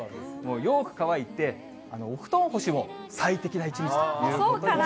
よーく乾いて、お布団干しも最適な一日ということになります。